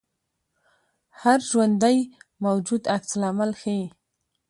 هر ژوندی موجود عکس العمل ښيي